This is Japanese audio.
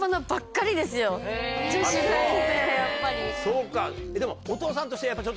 そうか。